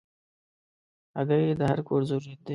هګۍ د هر کور ضرورت ده.